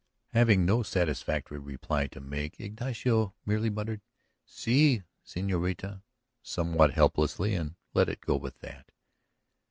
Having no satisfactory reply to make, Ignacio merely muttered, "Si, señorita," somewhat helplessly and let it go with that.